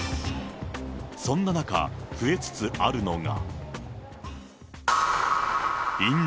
そんな中、増えつつあるのが。